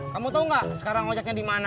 kamu tau gak sekarang ojeknya di mana